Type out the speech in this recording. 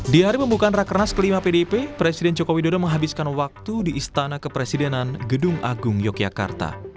di hari pembukaan rakernas kelima pdip presiden joko widodo menghabiskan waktu di istana kepresidenan gedung agung yogyakarta